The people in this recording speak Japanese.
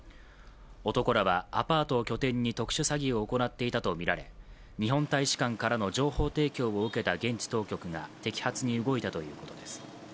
男らはアパートを拠点に特殊詐欺を行っていたとみられ日本大使館からの情報提供を受けた現地当局が摘発に動いたということです。